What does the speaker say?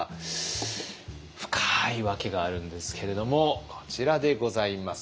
深い訳があるんですけれどもこちらでございます。